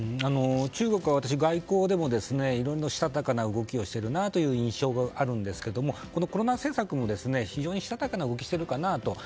中国は私は外交でもしたたかな動きをしているなという印象があるんですがこのコロナ政策、非常にしたたかな動きをしてるかなと。